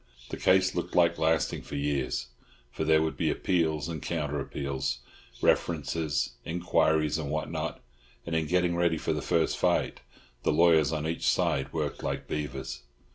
The case looked like lasting for years, for there would be appeals and counter appeals, references, inquiries and what not; and in getting ready for the first fight the lawyers on each side worked like beavers.